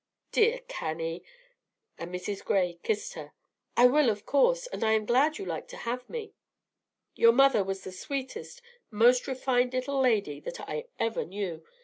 "Dear Cannie," and Mrs. Gray kissed her, "I will, of course; and I am glad you like to have me. Your mother was the sweetest, most refined little lady that I ever knew.